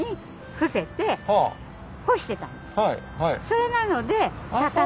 それなので。